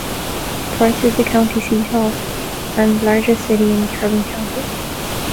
Price is the county seat of, and largest city in, Carbon County.